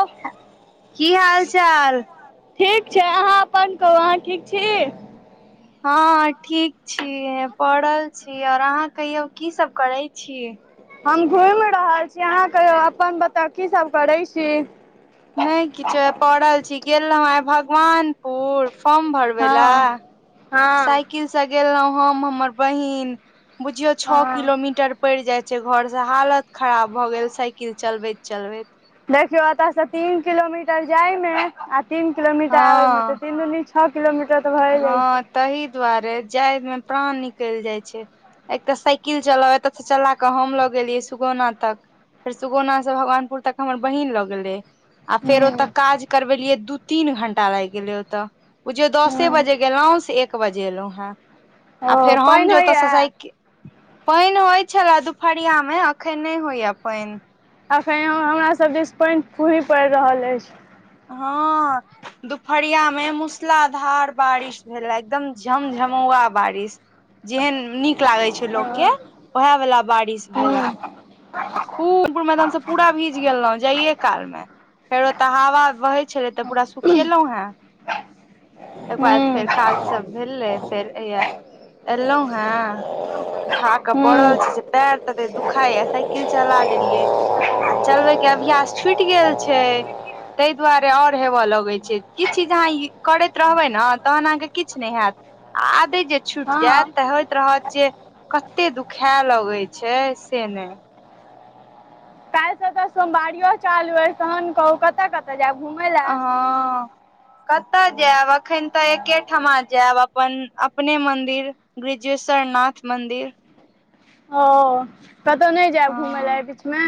ओ की हाल चाल। ठीक छै अहाँ अपन कहू अहाँ ठीक छी। हँ ठीक छी पड़ल छी आओर अहाँ कहियौ की सभ करै छी। हम घुमि रहल छी अहाँ कहियो अपन बता की सब करै छी। नै किछो पड़ल छी गेल रहौ आइ भगवानपुर फाॅम। घरबला हँ हँ साईकिल से गेलहु हम, हमर बहिन, बुझियौ छ हँ किलोमीटर पैड़ जाय छै घर से हालत खराब भऽ गेल साईकिल चलबैत चलबैत। देखियौ एतय से तीन किलोमीटर जाय में आ तीन किलोमीटर आबे में हँ तऽ तीन दूनी छ किलोमीटर तऽ भए जाइ छै हँ तहि दुआरे जाय मे प्राण निकलि जाइ छै। एक तऽ साइकिल चलाउ एतऽ से त चला कऽ हम ल गेलियै सुगौना तक। फेर सुगौना से भगवानपुर तक हमर बहिन लऽ गेलै आ फेर ओतय हूँ काज करबेलियै दू तीन घंटा लागि गेलै ओतय, बुझियौ दस हूँ बजे गेलहुँ से एक बजे एलहुँ हेँ आ ओ फेर हम पानि जे ओतऽ होइया से साईकिल पाइन होई छले दुपहरियामे अखन नै होइये पाइन। अखन हमरा सब दिस पाइन फुही पड़ि रहल अछि। हँ दुपहरिया में मूसलाधार बारिश भेले, एकदम झमझमौआ बारिश, जेहन नीक लागे छै लोक के ओहे वला बारिश हूँ भेले। आ खूब एकदम से पूरा भीज गेलहुँ, जाइए कालमे। फेरो ओतऽ हवा बहै छलै तऽ पूरा सुखेलहुॅं हें। ओकर बाद फेर काज सब भेल रहै फेर एलौं। एलहुँ हें, खा हूँ कऽ पड़ल छी हूँ से पैर तत्ते दुखाइ, साइ किल चला लेलियै आ चलबै के अभ्यास छुटि गेल छै। ताहि दुआरे आओर होबय लगै छै, किछु जे अहाँ करैत रहबै ने तहन अहाँके किछु नहि हैत। आदति जे छुटि जायत हँ तऽ, होइत रहत जे, कते दुखाय लगै छै, से नहि। काल्हिसँ सोमवारियो चालू अछि, तहन कहू, कतऽ कतऽ तऽ जायब घुमै ले आ हां। कतऽ जायब, अखन तऽ एकेठमा जायब, अपन, अपने मन्दिर। ब्रिजेश्वरनाथ मन्दिर ओ, कतहु नहि जायब घुमय हँ ले अए बीचमे।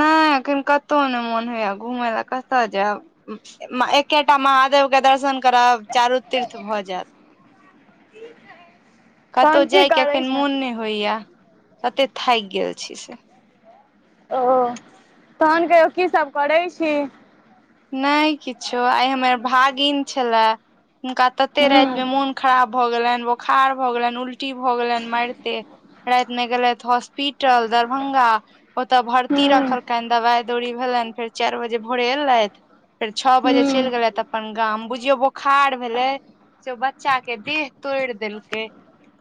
नहि, एखन कतहु नहि मोन होइये घुमय लए, कतय जायब। एकेटा महादेव के दर्शन करब, चारू तीर्थ भऽ जायत। ठीक है। कतहु जायके एखन मोन नहि होइये, तते थाकि गेल छी से। ओ, तहन कहियौ की सब करै छी। नै किछो, आइ हमर भागिन छले हुनका तते हूँ राति में मोन खराब भऽ गेलनि, बोखार भऽ गेलनि, उल्टी भऽ गेलनि, मारिते राति मे गेलथि हॉस्पिटल, दरभंगा ओतऽ भर्ती हूँ रखलकैन, दवाई दौरी भेलनि, फेर चारि बजे भोरे एलथि फेर छओ बजे हूँ चलि गेलैथ अपन गाम, बुझियो बोखार भेलै से बच्चा के देह तोड़ि देलकै,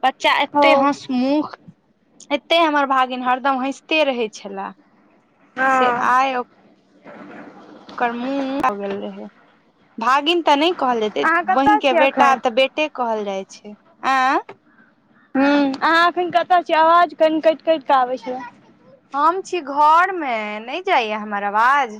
बच्चा ओ एते हंसमुख एते हमर भागिन हरदम हंसिते रहै छले, से हँ आइ ओकर मुंह भ गेल रहै, भागिन तऽ नहि कहल जेतै, अहाँ बहिन कतय के छी बेटा एखन तऽ बे टे कहल जाइ छै, आंय अहाँ एखन कतऽ छियै, आवाज कनि कटि कटि कऽ आबै छै। हम छी घरमे, नहि जाइये हमर आवाज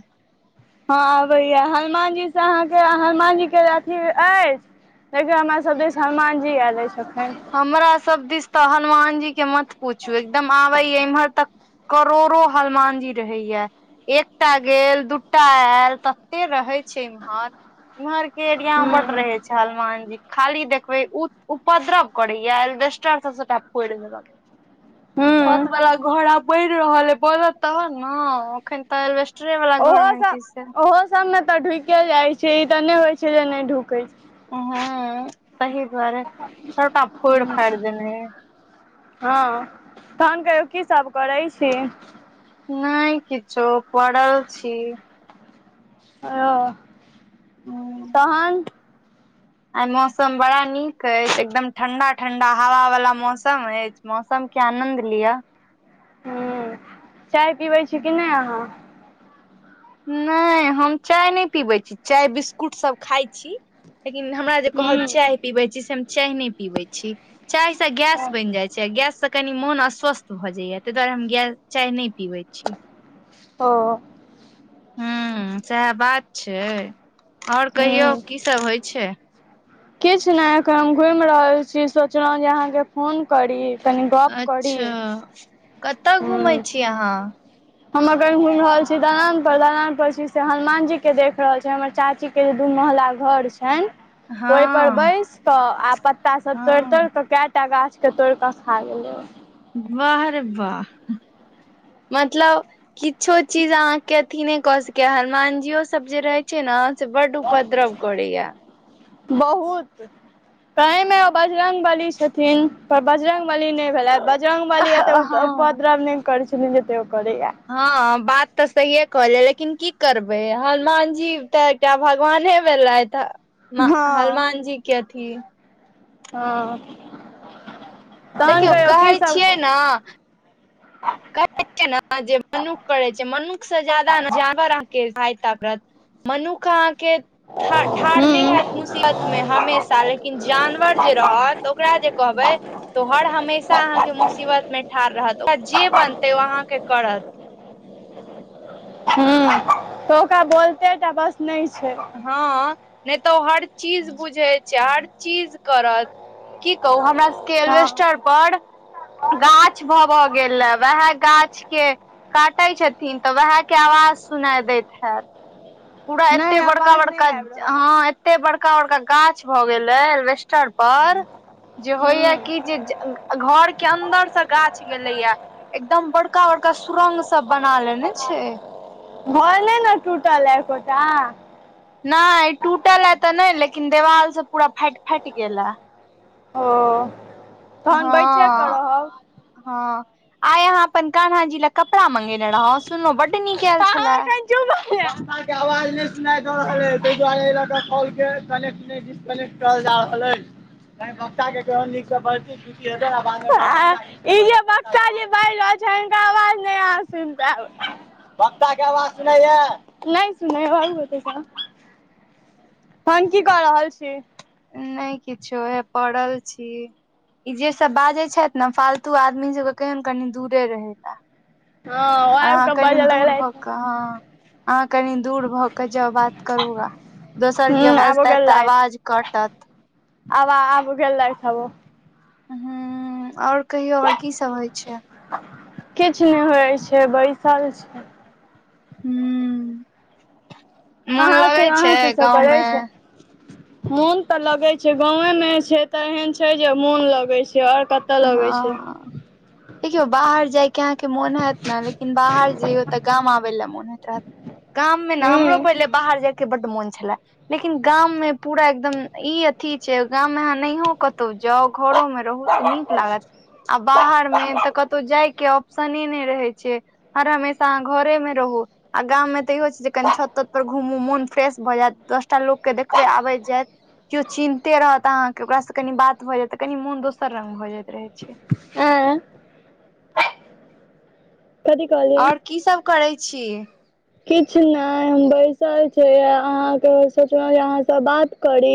हँ अबैया, हनुमान जी से अहाँके, हनुमान जी के अथी अछि। देखयो हमरा सब दिस, हनुमान जी आयले अछि अखन,। हमरा सब दिस तऽ हनुमान जी के मत पूछू, एकदम आबे य, इम्हर तक, करोड़ो हनुमान जी रहेया ह। एकटा गेल, दूटा आयल तते रहै छै इम्हर। इम्हर के एरिया मे बड हूँ रहे छै हनुमान जी, खाली देखबे, उ उपद्रव। कोरैया, एलॉबस्टर सब सबटा फोर देलक। हूं। छत वाला घर आब बनि रहल एइ, बोनत तहन ने, एखन तऽ एलवेस्टरे वला घर मे छी से मौसम मे तऽ ढुक जाय छै, ई तऽ ने होय छै जे, नहि ढुके छै,। हँ, तहि दुआरे, सबटा फोड़ फाड़ि देने अई। हँ तहन कहियौ की सब करै छी। नई किछो, पड़ल छी। ओ हूँ तहन। आइ मौसम बड़ा नीक अछि, एकदम ठंडा ठंडा हवा वाला मौसम अछि। मौसम के आनन्द लिय। हूँ चाय पीबै छी कि नई अहाँ। नहि, हम चाय नहि पीबै छी, चाय बिस्कुट सब खााय छी, लेकिन हमरा। जे कहब, हूँ चाय पीबै छी, से हम चाय नहि पीबै छी,। चायसँ गैस बनि जाइत छै, गैससँ कनि मोन अस्वस्थ भऽ जाइया, ताहि दुआरे हम गैस। चाय नहि पीबै छी। ओ। हं, सएह बात छै, आओर कहियौ, हूँ की सब होइ छै। किछु नहि, एखन हम घुमि रहल छी, सोचलहुँ जे अहाँके। फोन करी, कनी गप करी। तऽ,। कतअ घुमै हूँ छी अहाँ? हम अखन घुम रहल छी दलान पर, दलान पर छी से हनुमान जी के देख रहल छी, हमर चाची के जे दू महला घऽर छनि ओहि पर हँ बैस कऽ आ पत्ता सब तोड़ि- तोड़ि हँ कऽ कै टा गाछ के तोड़िकऽ खा गेलै। वाह रे वाह मतलब किछो चीज अहाँके अथी नहि कऽ सकै। हनुमानजियो सब जे रहै छै ने से बड उपद्रव करैये। बहुत। ताहि में ओ बजरंग बली छथिन पर बजरंग बली ने बजरंग बली एते हँ उपद्रव नहि करै छल जते ओ करैया। हँ बात तऽ सहिए कहलिये लेकिन की करबै हनुमान जी तऽ एकटा भगवाने भेलथ हँ हनुमान जी के अथी हँ, तहन देखियौ कहियौ की कहै सब छियै ने कहै छै ने जे मनुख करै छै, मनुख से जादा ने जानवर अहाँके सहायता करत। मनुख अहाँके ठाढ़ हूँ नहि हऽत हूँ मुसीबत मे हमेशा, लेकिन जानवर जे रहत ओकरा जे कहबै तऽ हर हमेशा अहाँके मुसीबतमे ठाढ़ रहत। ओकरा जे बनतै ओ अहाँके करत। हुं तऽ ओकरा बोलते टा बस नहि छै। हँ नै त ओ हर चीज बुझै छै हर चीज करत की कहू हमरा सबके हँ एलबेस्टर पर गाछ भ भ गेल हें वएह गाछ के काटै छथिन त उएह के आवाज सुनाय दैत हैत पूरा एते नहि बड़का आवाज बड़का नहि आबि रहल अइ हँ एते बड़का-बड़का गाछ भ गेल आए ऐलवेस्टर पर जे होइया कि हूँ जे घर के अन्दर से गाछ गेले या एकदम बड़का बड़का सुरंग सब बना लेने छै घर नै ने टूटल ऐ एकोटा नै टूटल ए त नै लेकिन देवाल सब पूरा फाटि फाटि गेल हें ओ तहन बैचे क हँ रहब हँ आइ अहाँ अपन कान्हा जी ल कपड़ा मंगेने रहौ सुनलहु बड्ड नीक आयल अहाँ छले एखन चुप भ जाऊ पंखा के आवाज नै सुनाय द रहल अछि ताहि दुआरे ल के कॉल के कनेक्ट कनेक्ट करल जा रहल अछि तै बच्चा के नीक से बजती खुशी हेतै ने बाद में ई जे बच्चा जे बाजि रहल छै हिनकर आवाज नै अहाँ सुनि पैयब बच्चा के आवाज सुनै य मरू अते से तनह की क रहल छी नै किछो हेय पड़ल छी ई जे सब बाजे छथि ने फालतू आदमी सब के केयोन कनि दूरे रहय ले हँ ओ आबि अहाँ कऽ कनी बाजऽ दूर भ लगलथि क हॅं हाँ कनी दूर भ क के जाउ बात करूग दोसर हुं के आबो बजतै त गेलथि। आवाज कटत आब आब गेलैथ ओ हम्म हम्म आओर कहियौ आओर की सब होइ छै किछ नै होइ छै बैसल छियय हम्म अहाँ कहियो अहाँ की सब करै छै मोन त लगैत छै गाॅंवे मे छै त एहन छै जे मोन लगैत छै आर हँ देखियौ बाहर जाइ के अहाँ के मोन होयत ने लेकिन बाहर जइयौ त गाम आबय लए मोन होइत रहत गाम मे ने हूँ हमरो पहिले बाहर जायके बड मोन छलै लेकिन गाॅंम मे पूरा एकदम ई अथी छै गाॅंम मे अहाँ नहियो कतहु जाउ घरो मे रहू नीक लागत आ बाहर मे त कतौ जाय के ऑप्शने नै रहै छै हर हमेशा अहाँ घरे में रहू आ गाम मे त इहो छै जे कनि छत त त पर घूमू मोन फ्रेश भ जैत दसटा लोककेँ देखबै आबैत जैत केओ चिन्हते रहत अहाँ के ओकरासँ कनि बात भ जैत त कनि मोन दोसर रंग भ जाइत रहै छै ऐ कथी कहलियै और की सब करै छी किछ नै हम बैसल छी अहाँ के सोचलो जे अहाँ सँ बात करी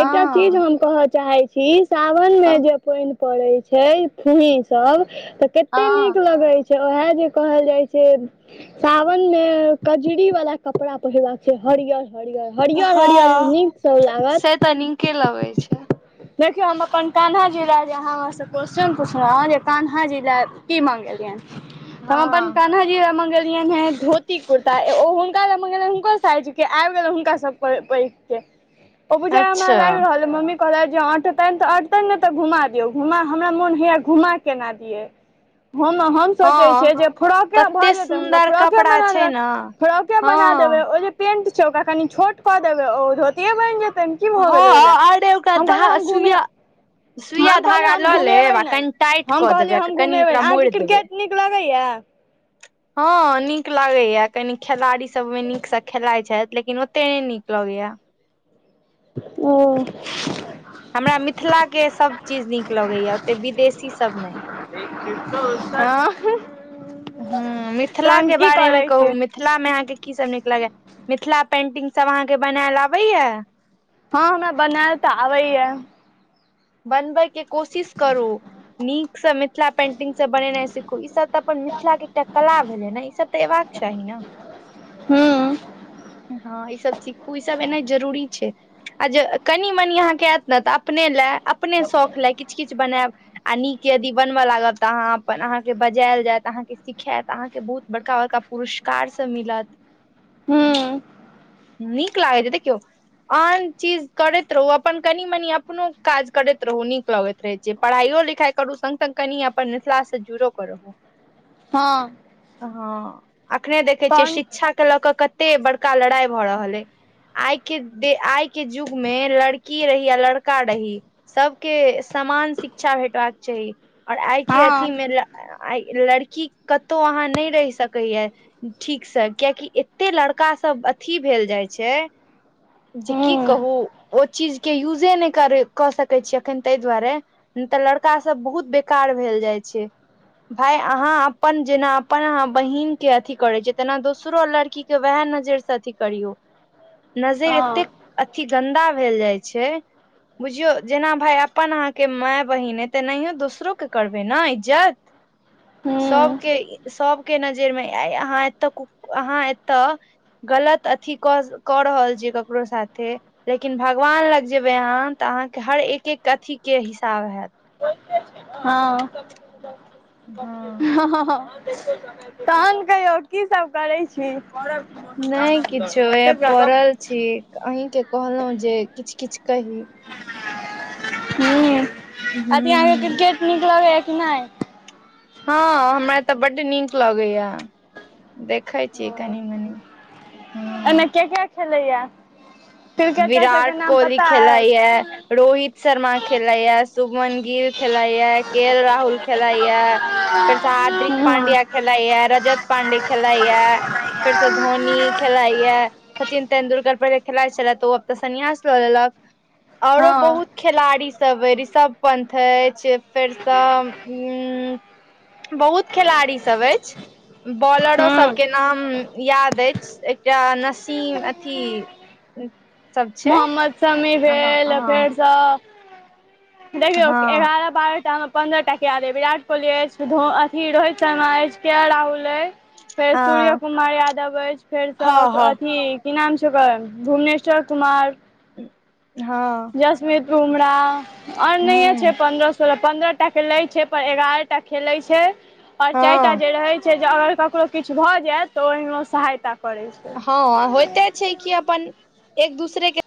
एकटा चीज हम कह चाहै छी सावन मे क जे पइन पड़ै छै फुही सब त कते नीक हँ लगै छै उएह जे कहल जाइ छै साउ वन मे कजरी वाला कपड़ा पहिरबाक चाही हरियर हरियर हरियर हरियर हँ नीक सब लागत से तऽ नीके लगै छै देखियौ हम अपन कान्हा जी लै जे अहाँ हमरासँ क्वेश्चन पुछलो हँ जे कान्हा जी लै की मंगेलियैँन त हम अपन हँ कान्हा जी लै मंगेलियनि हैं धोती, कुर्ता ए ओ हुनका लै मंगेलियनि हुनकर साइज के आबि गेलैन हुनका स पै पैघके। ओ बूझाइयै हमरा अच्छा लागि रहल अइ मम्मी कहलथि जे अटतनि तऽ अटतनि नै तऽ घुमा दियौ, घुमा हमरा मोन होइया घुमा केना दियै हम हम सोचै हँ छियै जे फ्रॉके भऽ तते जेतैन हुनका सुन्दर फ्रॉक बना कपड़ा छै देबैन, ने फ्रॉके बना देबै हँ ओ जे पेंट छै ओकरा कनि छोट कऽ देबै ओ धोतीेए बनि जेतैन। की भऽ गेलै ओइ लै हँ अरे ओकरा हम कहलियै धा हम घूमे सुइया सुइया हम कहलियै धागा हम लऽ घुमेबै लेब आ नै कनि टाइट हम कऽ देबै कहलियै आ हम कनि घुमेबै नै, ओकरा अहाँके मोड़ि देबै क्रिकेट नीक लगैयै? हँ नीक लगैयै कनी खेलाड़ी सब ओइमे नीकस खेलाइ छथि लेकिन ओते नहि नीक लगैयै। ओ हमरा मिथिला के सब चीज नीक लगैयै, ओते विदेशी सब नहि। एक तो सन, अंहह हूं मिथिला के बारे मे करै छी कहू मिथ मिथिला में अहाँ के की सब नीक लगैयै, मिथिला पेंटिंग सब अहाँ के बनैल अबैयै? हँ हमरा बनैल तऽ आबैयै। बनबै के कोशिश करू, नीकस मिथिला पेंटिग सब बनेनाइ सिखू ई सब त अपन मिथिला के एकटा कला भेलै न ई सब तऽ एबाक चाही न? हूँ हँ ई सब सीखू ई सब एनाइ जरूरी छै। आ जे कनि मनि अहाँके ऐत नै तऽ अपने लै अपने शौख लै किछ किछ बनैब। आ नीक यदि बनब लागब त अहाँ अपन अहाँके बजायल जायत अहाँके सिखैत अहाँके बहुत बड़का बड़का पुरुस्कार सब मिलत हूं नीक लागै छै देखियौ आन चीज करैत रहू अपन कनि मनी अपनो काज करैत रहू नीक लगैत रहै छै पढ़ाइयो लिखाई करू संग संग कनि अपन मिथिला स जुइड़ो कऽ रहू। हँ हँ, अखने देखै छियै तहन शिक्षाके लऽ कऽ कत्ते बड़का लड़ाई भऽ रहल अइ आइ के दे आइ के जुग में लड़की रही या लड़का रही सबके समान शिक्षा भेटबाक चाही आऔर आइ के हँ अथी में ल आइ लड़की कतौ अहाँ नहि रहि सकैया ठीकसै कियैकि एत्ते लड़का सब अथी भेल जाइ छै जे की हूँ कहू ओ चीज के यूजे नहि करै कऽ सकै छी अखैन तइ दुआरे नहि तऽ लड़का सब बहुत बेकार भेल जाइ छै। भाय अहाँ अपन जेना अपन अहाँ बहिन के अथी करै छीयै तेना दोसरो लड़की के वैहै नजरि स अथी करियौ। [unintelligible] नजरि एत्तेक अथी गन्दा भेल जाय छै बुझियौ जेना भाय अपन अहाँ के मैय बहिन अई तेनाहिये दोसरो के करबै न इज्जत [inaudible] हूँ सबके ई सबके नजरि में आइ अहाँ एतऽ कुक् अहाँ एतऽ गलत अथी कऽस रहल छीयै ककरो साथे लेकिन भगवान लंग जेबै अहां तऽ अहाँके हर एक एक अथीके हिसाब हैत। हँ हँ हं हं हं [unintelligible] तहन कहियौ की सब करै छी? [unintelligible] ठीक अहींके कहलहुँ जे किछ- किछ कही। ह अथी अहाँके हूँ क्रिकेट नीक लगैया कि नय। हँ हमरा तऽ बड्ड नीक लगैया देखै छी कनी -मनी। अईमे के के खेलैया। क्रिकेटर सबके विराट नाम कोहली पता अछि खेलाईया रोहित शर्मा खेलाईया सुभमन गिर। खेलाईया के राहुल खेलाईया। फेर स हाद्रिक पांड्या खेलाइया रजत पांडय खेलाइया। फेर स धोनी खेलाइया सचिन। तेंदुरकर पहिले खेलाइ छले तऽ ओब तऽ सन्यास लऽ लेलक, औरो हँ बहुत। खेलाड़ी सब अई ऋषभ पंथ अईछ फेर सब उ। बहुत खेलाड़ी सब अईछ बॉलरो हँ सबके। नाम याद अईछ एकटा नसीम अथी। सब छै। समी अहाँ भेल अहाँ फेर सँ, देखियौ हँ एगारह बारह टा मे। पन्द्रटा किया देबे विराट कोहली अईछ ध अथी रोहित शर्मा अईछ केएल राहुल अई। फेर सूर्य हँ कुमार यादव अईछ फेर सँ हँ अथी। की नाम छए ओकर भुवनेश्वर कुमार। हँ। जसपित बुमरा आनाहे छै हूँ पन्द्रह सो पन्द्रह। तक के ले छै पर एगारह टा खेले छै और चाइरटा हँ जे रहै छै। जे अगर ककरो किछ भऽ जायत तऽ ओहिमे सहायता करै छै। हँ होइते छै कीअपन एक दूसरे के।